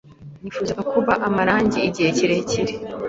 Nifuzaga kuba amarangi igihe kirekire.